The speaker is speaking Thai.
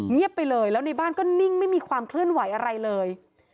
ไปเลยแล้วในบ้านก็นิ่งไม่มีความเคลื่อนไหวอะไรเลย